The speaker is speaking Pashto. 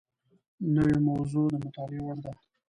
نوې موضوع د مطالعې وړ ده